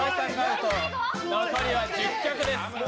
残りは１０脚です。